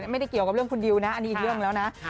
ไม่ได้เกี่ยวกับเรื่องคุณดิวนะอันนี้อีกเรื่องแล้วนะ